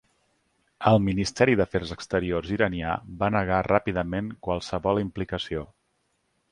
El Ministeri d'Afers Exteriors iranià va negar ràpidament qualsevol implicació.